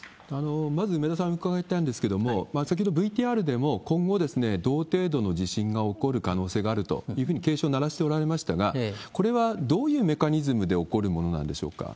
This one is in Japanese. まず、梅田さんに伺いたいんですけれども、先ほどＶＴＲでも今後、同程度の地震が起こる可能性があると警鐘を鳴らしておられましたが、これはどういうメカニズムで起こるものなんでしょうか。